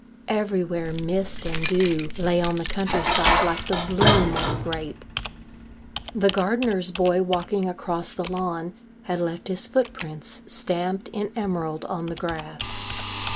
Everywhere mist and dew lay on the countryside like the bloom on a grape. The gardener's boy walking across the lawn had left his footprints stamped in emerald on the grass.